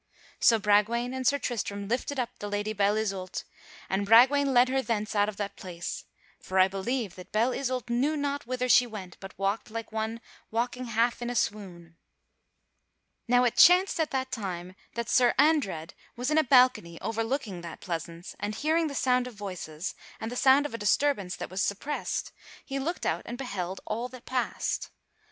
So Bragwaine and Sir Tristram lifted up the Lady Belle Isoult, and Bragwaine led her thence out of that place; for I believe that Belle Isoult knew not whither she went but walked like one walking half in a swoon. [Sidenote: Sir Andred knoweth Sir Tristram] Now it chanced at that time that Sir Andred was in a balcony overlooking that pleasance, and, hearing the sound of voices and the sound of a disturbance that was suppressed, he looked out and beheld all that passed.